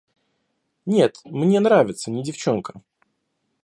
Нет, мне нравится не девчонка.